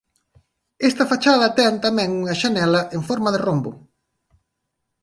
Esta fachada ten tamén unha xanela en forma de rombo.